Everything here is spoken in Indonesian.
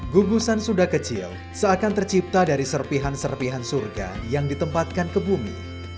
gugusan sudah kecil seakan tercipta dari serpihan serpihan surga yang ditempatkan ke bumi